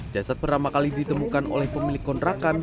jasad pertama kali ditemukan oleh pemilik kontrakan